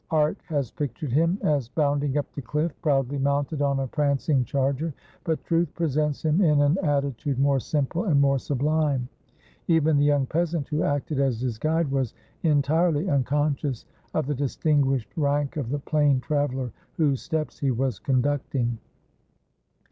Art has pictured him as bounding up the cliff, proudly mounted on a prancing charger; but truth presents him in an attitude more simple and more sublime. Even the young peasant who acted as his guide was entirely unconscious of the distinguished rank of the plain traveler whose steps he was conducting.